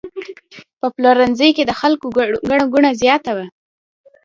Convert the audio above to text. په پلورنځي کې د خلکو ګڼه ګوڼه زیاته وي.